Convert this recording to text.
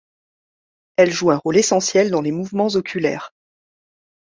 Elle joue un rôle essentiel dans les mouvements oculaires.